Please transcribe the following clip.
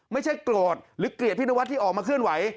ไม่ใช่โกรธหรือเกลียดพี่นวัดที่ออกมาเคลื่อนไหว